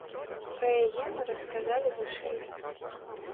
Пра яе мы расказалі вышэй.